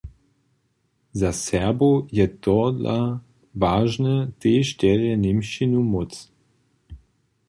Za Serbow je tohodla wažne, tež derje němčinu móc.